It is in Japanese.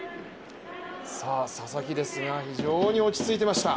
佐々木ですが、非常に落ち着いていました。